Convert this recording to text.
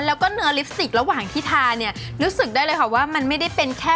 แล้วก็เนื้อลิปสติกระหว่างที่ทาเนี่ยรู้สึกได้เลยค่ะว่ามันไม่ได้เป็นแค่